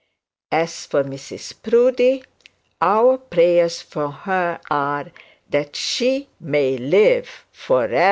As for Mrs Proudie, our prayers for her are that she may live for ever.